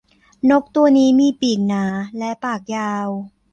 นกตัวนี้มีปีกหนา และปากยาว